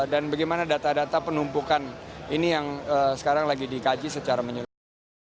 dan bagaimana data data penumpukan ini yang sekarang lagi dikaji secara menyeluruh